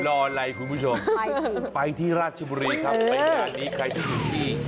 รออะไรคุณผู้ชมไปที่ราชบุรีครับใครที่สุดที่